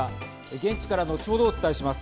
現地から後ほどお伝えします。